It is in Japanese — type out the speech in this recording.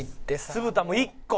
「酢豚も１個」